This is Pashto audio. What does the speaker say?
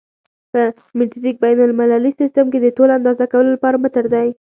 په مټریک بین المللي سیسټم کې د طول اندازه کولو لپاره متر دی.